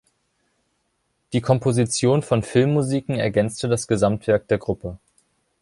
Die Komposition von Filmmusiken ergänzte das Gesamtwerk der Gruppe.